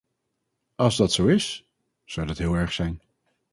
Als dat zo is, zou dat heel erg zijn.